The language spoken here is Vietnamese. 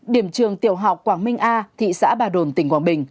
điểm trường tiểu học quảng minh a thị xã bà đồn tỉnh quảng bình